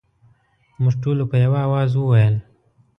موږ ټولو په یوه اواز وویل.